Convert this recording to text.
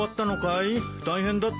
大変だったね。